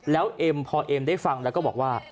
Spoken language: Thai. แล้วเอ็มพอเอ็มได้ฟังแล้วก็บอกว่า